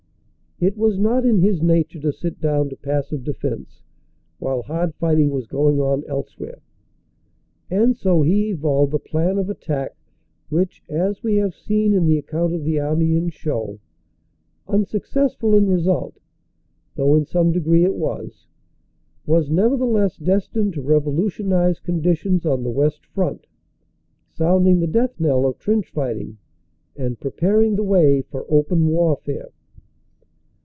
It was not in his nature to sit down to passive defense while hard fighting was going on elsewhere; and so he evolved the plan of attack, which, as we have seen in the account of the Amiens show, un successful in result though in some degree it was, was neverthe less destined to revolutionize conditions on the West Front, sounding the death knell of trench fighting and preparing the way for open warfare.